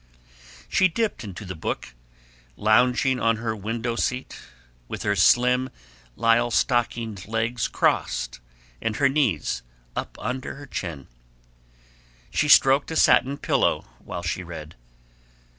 She dipped into the book, lounging on her window seat, with her slim, lisle stockinged legs crossed, and her knees up under her chin. She stroked a satin pillow while she read.